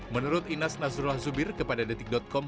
menurut ines nazrulah zubir kepada detik com